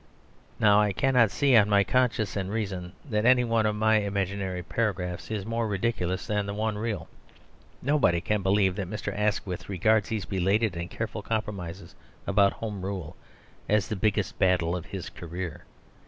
Now, I cannot see, on my conscience and reason, that any one of my imaginary paragraphs is more ridiculous than the real one. Nobody can believe that Mr. Asquith regards these belated and careful compromises about Home Rule as "the biggest battle of his career."